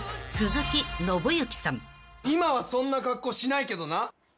「今はそんな格好しないけどな」